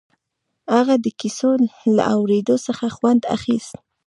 هغه د کيسو له اورېدو څخه خوند اخيست.